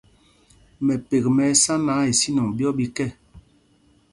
Mɛpek mɛ ɛsá náǎ, isínɔŋ ɓyɔ́ ɓi kɛ.